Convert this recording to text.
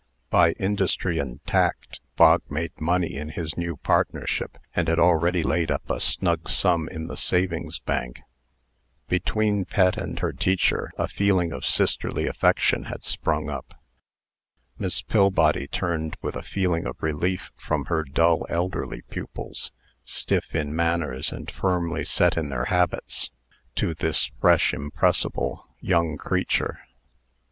By industry and tact, Bog made money in his new partnership, and had already laid up a snug sum in the savings bank. Between Pet and her teacher a feeling of sisterly affection had sprung up. Miss Pillbody turned with a feeling of relief from her dull elderly pupils, stiff in manners, and firmly set in their habits, to this fresh, impressible young creature.